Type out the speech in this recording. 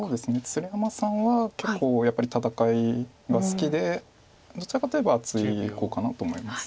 鶴山さんは結構やっぱり戦いが好きでどちらかといえば厚い碁かなと思います。